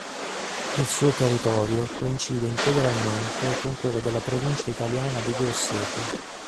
Il suo territorio coincide integralmente con quello della provincia italiana di Grosseto.